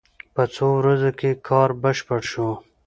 په څو ورځو کې کار بشپړ شو.